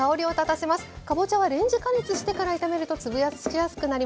かぼちゃはレンジ加熱してから炒めるとつぶしやすくなります。